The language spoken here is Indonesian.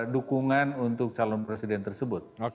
dukungan untuk calon presiden tersebut